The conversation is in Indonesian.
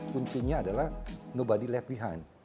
kuncinya adalah nobody left behind